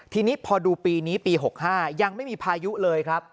ทีนี้พอดูปีนี้ปี๖๕ยังไม่มีพายุเลยครับ